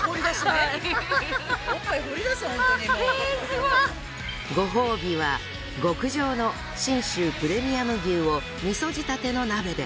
ご褒美は極上の信州プレミアム牛をみそ仕立ての鍋で。